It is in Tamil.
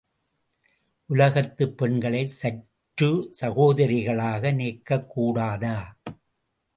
உலகத்துப் பெண்களைச் சற்று சகோதரிகளாக நினைக்கக்கூடாதா?